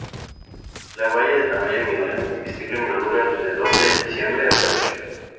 La baya de tamaño mediano comestible madura alrededor de diciembre a febrero.